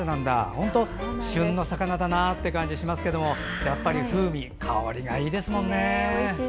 本当、旬の魚だなって感じがしますけれどもやっぱり風味香りがいいですもんね。